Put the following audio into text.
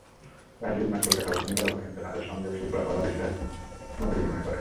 প্রায় তিন মাস কলকাতায় অবস্থানকালে অবনীন্দ্রনাথদের সঙ্গে শিল্পকলা বিষয়ে মতবিনিময় করেন।